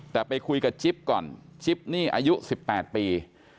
แต่ไปคุยกับจิ๊บก่อนจิ๊บนี่อายุ๑๘ปี